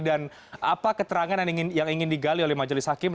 dan apa keterangan yang ingin digali oleh majelis hakim